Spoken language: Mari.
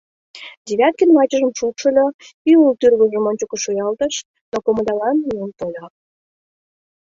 Девяткин вачыжым шупшыльо, ӱлыл тӱрвыжым ончыко шуялтыш, но комылялан миен тольо.